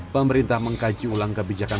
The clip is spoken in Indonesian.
pemerintah mengkaji ulang kebijakan